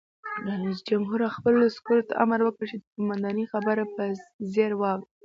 رئیس جمهور خپلو عسکرو ته امر وکړ؛ د قومندان خبره په ځیر واورئ!